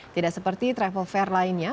tidak seperti travel fair lainnya